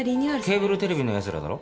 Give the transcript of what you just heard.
ケーブルテレビのやつらだろ？